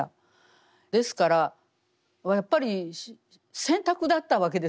ですからやっぱり選択だったわけです